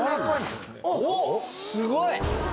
すごい！